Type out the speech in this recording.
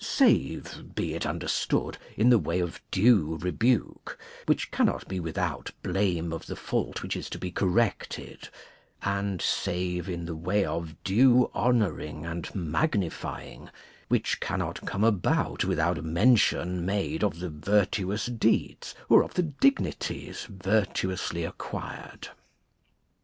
Save, be it understood, in the way of due rebuke, which cannot be without blame of the fault which is to be corrected ; and save in the way of due honouring and magnifying, which cannot come about without mention made of the virtuous deeds or of the dignities virtuously acquired.